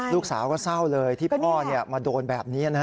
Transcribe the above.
ลูกสาวก็เศร้าเลยที่พ่อมาโดนแบบนี้